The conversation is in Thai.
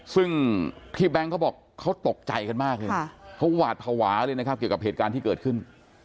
ซึ่งที่แบงค์เขาบอกเขาตกใจกันมากเลยเขาหวาดภาวะเลยนะครับเกี่ยวกับเหตุการณ์ที่เกิดขึ้น